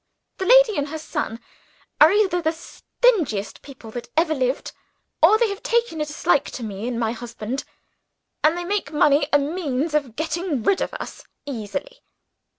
The lady and her son are either the stingiest people that ever lived or they have taken a dislike to me and my husband, and they make money a means of getting rid of us easily.